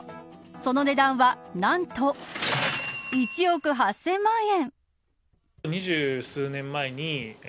その値段は何と１億８０００万円。